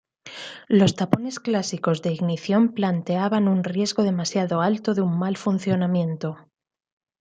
Los tapones clásicos de ignición planteaban un riesgo demasiado alto de un mal funcionamiento.